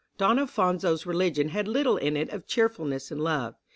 Don Alphonso's religion had little in it of cheerfulness and love.